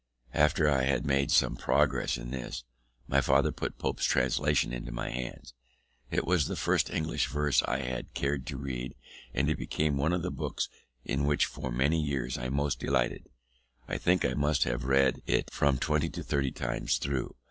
After I had made some progress in this, my father put Pope's translation into my hands. It was the first English verse I had cared to read, and it became one of the books in which for many years I most delighted: I think I must have read it from twenty to thirty times through.